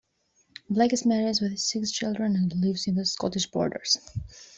Blake is married with six children and lives in the Scottish Borders.